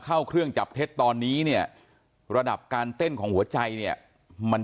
เข้าเครื่องจับเท็จตอนนี้เนี่ยระดับการเต้นของหัวใจเนี่ยมัน